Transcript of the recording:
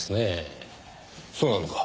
そうなのか？